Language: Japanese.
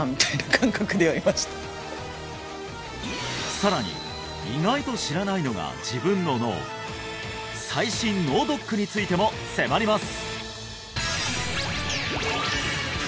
さらに意外と知らないのが自分の脳最新脳ドックについても迫ります！